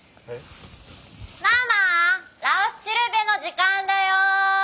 ママ「らふしるべ」の時間だよ。